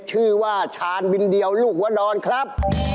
ชื่อว่าชาญบินเดียวลูกหัวนอนครับ